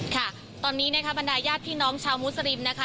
ค่ะตอนนี้บรรดายหญ้าพี่น้องชาวมุสลิมนะคะ